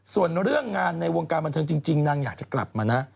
ส่วนเรื่องงานในวงการบันเทิงจริงนางอยากจะกลับมานะ